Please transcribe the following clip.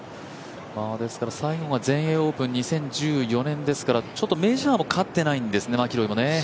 最後が全英オープン２０１４年ですからちょっとメジャーも勝ってないんですね、マキロイも。